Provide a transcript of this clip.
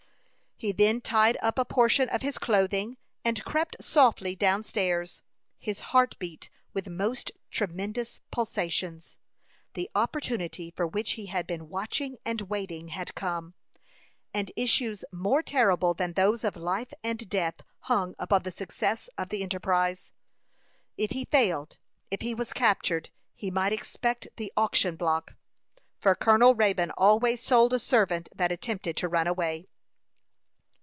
He then tied up a portion of his clothing, and crept softly down stairs. His heart beat with most tremendous pulsations. The opportunity for which he had been watching and waiting had come, and issues more terrible than those of life and death hung upon the success of the enterprise. If he failed, if he was captured, he might expect the auction block, for Colonel Raybone always sold a servant that attempted to run away.